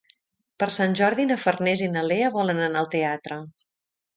Per Sant Jordi na Farners i na Lea volen anar al teatre.